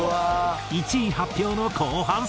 １位発表の後半戦。